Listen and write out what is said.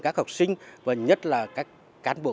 các học sinh và nhất là các cán bộ